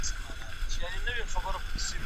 په حقوقو کي تبعیض مه کوئ.